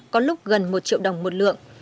có lúc gần một triệu đồng một lượng